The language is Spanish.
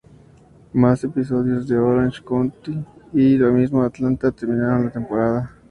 Más episodios de "Orange County" y lo mismo de "Atlanta" terminaron la temporada.